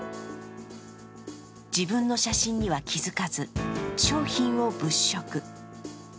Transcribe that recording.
自分の写真には気づかず、商品を物色。